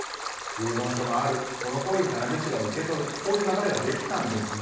遺言書があるそのとおりに田辺市は受け取るという流れができたんですが